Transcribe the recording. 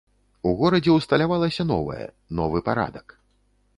У горадзе ўсталявалася новае, новы парадак.